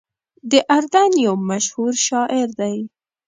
د اردن یو مشهور شاعر دی.